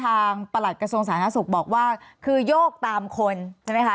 ประหลัดกระทรวงสาธารณสุขบอกว่าคือโยกตามคนใช่ไหมคะ